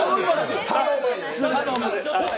頼む。